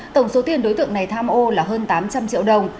tổng số tiền đối tượng này tham ô là hơn tám trăm linh triệu đồng